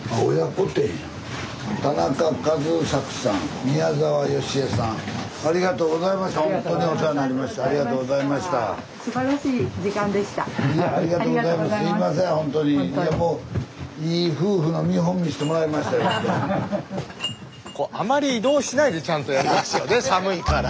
こうあまり移動しないでちゃんとやりますよね寒いから。